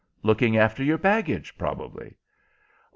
"Looking after your baggage, probably?"